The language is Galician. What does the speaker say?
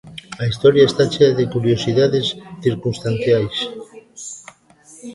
A historia está chea de curiosidades circunstanciais.